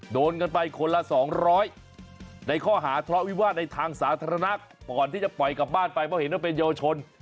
โดนกันไปคนละ๒๐๐ในข้อหาทะเลาะวิวาสในทางสาธารณะก่อนที่จะปล่อยกลับบ้านไปเพราะเห็นว่าเป็นเยาวชน